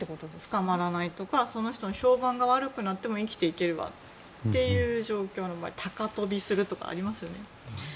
捕まらないとかその人の評判が悪くなっても生きていけるという状況の場合高飛びするとかありますよね。